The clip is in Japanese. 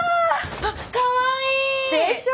あっかわいい！でしょ？